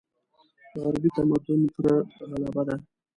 غربي تمدن پر غلبه ده.